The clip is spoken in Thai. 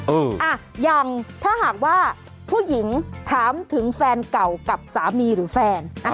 อ่ะอย่างถ้าหากว่าผู้หญิงถามถึงแฟนเก่ากับสามีหรือแฟน